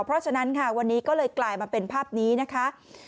เพราะฉะนั้นค่ะวันนี้ก็เลยกลายมาเป็นภาพนี้นะคะ